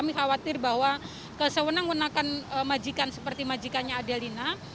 kami khawatir bahwa kesewenang wenakan majikan seperti majikannya adelina